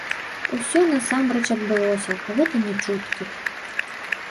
Усё насамрэч адбылося, гэта не чуткі.